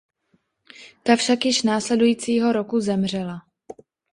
Ta však již následujícího roku zemřela.